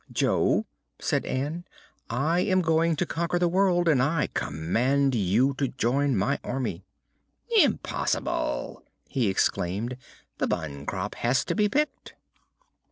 "Jo," said Ann, "I am going to conquer the world, and I command you to join my Army." "Impossible!" he exclaimed. "The bun crop has to be picked."